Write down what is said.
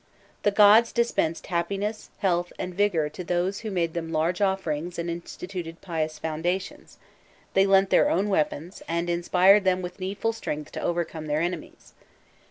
The gods dispensed happiness, health, and vigour;* to those who made them large offerings and instituted pious foundations, they lent their own weapons, and inspired them with needful strength to overcome their enemies.